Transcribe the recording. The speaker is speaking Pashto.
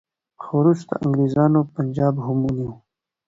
خو وروسته انګریزانو پنجاب هم ونیو.